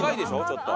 ちょっと。